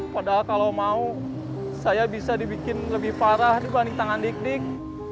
padahal kalau mau saya bisa dibikin lebih parah dibanding tangan dik dik